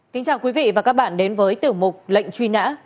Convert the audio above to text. kính chào quý vị và các bạn đến với tiểu mục lệnh truy nã